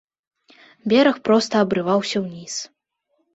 Бераг проста абрываўся ўніз.